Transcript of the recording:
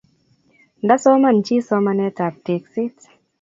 Nda soman chii somanet ab tekset